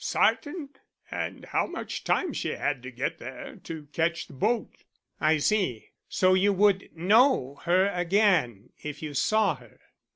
"Sartain; and how much time she had to get there to catch the boat." "I see. So you would know her again if you saw her."